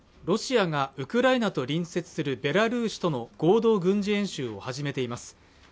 ロシアがウクライナと隣接するベラルーシとの合同軍事演習を始めています